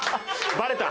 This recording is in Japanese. バレた！